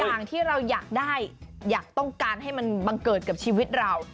อย่างที่เราอยากได้อยากต้องการให้มันบังเกิดกับชีวิตเรา